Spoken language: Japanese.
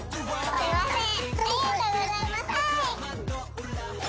すいません。